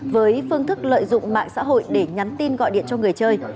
với phương thức lợi dụng mạng xã hội để nhắn tin gọi điện cho người chơi